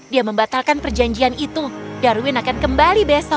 dia membatalkan perjanjian itu darwin akan kembali besok